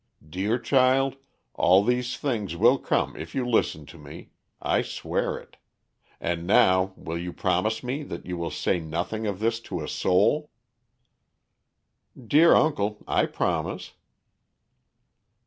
Dear child, all these things will come if you listen to me. I swear it. And now will you promise me that you will say nothing of this to a soul?" "Dear uncle, I promise."